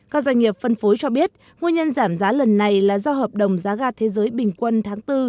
các doanh nghiệp phân phối cho biết nguyên nhân giảm giá lần này là do hợp đồng giá ga thế giới bình quân tháng bốn